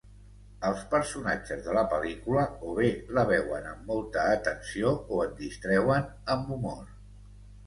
Els personatges de la pel·lícula o bé la veuen amb molta atenció o et distreuen amb humor.